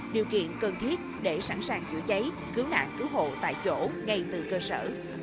điều kiện cần thiết để sẵn sàng chữa cháy cứu nạn cứu hộ tại chỗ ngay từ cơ sở